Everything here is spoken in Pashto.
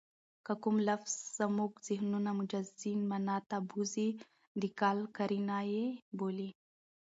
که کوم لفظ زمونږ ذهنونه مجازي مانا ته بوځي؛ د قال قرینه ئې بولي.